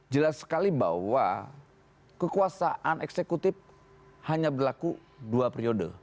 jelas sekali bahwa kekuasaan eksekutif hanya berlaku dua periode